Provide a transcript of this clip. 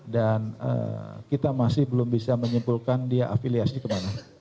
dan kita masih belum bisa menyimpulkan dia afiliasi kemana